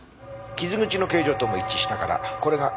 傷口の形状とも一致したからこれが凶器だろうね。